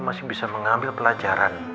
masih bisa mengambil pelajaran